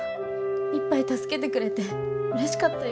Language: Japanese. いっぱい助けてくれてうれしかったよ。